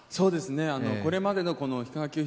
これまでの氷川きよし